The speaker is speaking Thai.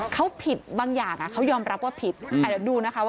แขนหักอยู่เหนื่อยอยู่เหนื่อย